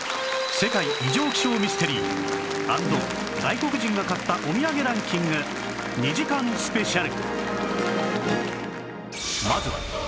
世界異常気象ミステリー＆外国人が買ったお土産ランキング２時間スペシャル